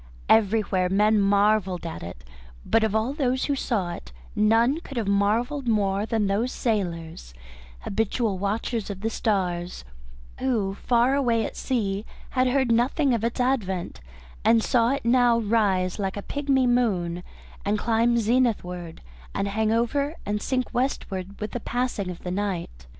Everywhere men marvelled at it, but of all those who saw it none could have marvelled more than those sailors, habitual watchers of the stars, who far away at sea had heard nothing of its advent and saw it now rise like a pigmy moon and climb zenithward and hang overhead and sink westward with the passing of the night.